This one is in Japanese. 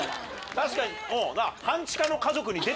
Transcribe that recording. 確かに。